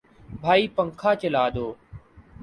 بھائی پنکھا چلا دو